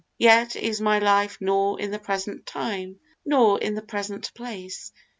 Yet is my life nor in the present time, Nor in the present place.